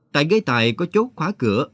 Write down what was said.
tại gây tài có chốt khóa cửa